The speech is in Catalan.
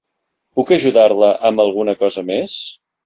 Puc ajudar-la amb alguna cosa més?